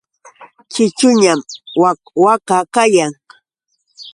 Ćhićhuñam wak waka kayan.